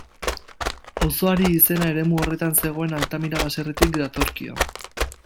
Auzoari izena eremu horretan zegoen Altamira baserritik datorkio.